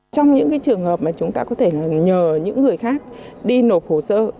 trong những trường hợp mà chúng ta có thể nhờ những người khác đi nộp hồ sơ